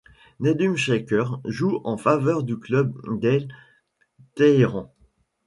Nadhum Shaker joue en faveur du club d'Al Tayaran.